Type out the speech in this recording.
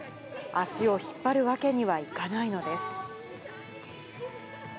足を引っ張るわけにはいかないのです。